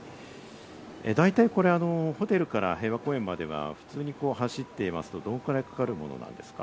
大体これ、ホテルから平和公園までは普通に走っていますと、どのぐらいかかるものなんですか？